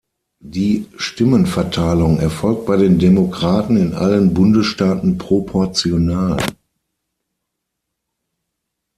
Die Stimmenverteilung erfolgt bei den Demokraten in allen Bundesstaaten proportional.